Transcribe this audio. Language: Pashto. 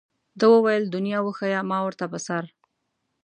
ده وویل دنیا وښیه ما ورته په سر.